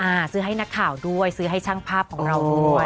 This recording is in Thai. ซื้อให้นักข่าวด้วยซื้อให้ช่างภาพของเราด้วย